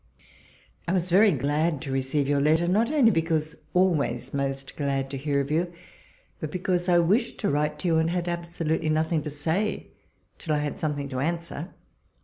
I WAS very glad to receive your letter, not only because always most glad to hear of you, but because I wished to write to you, and had abso lutely nothing to say till I had something to answer.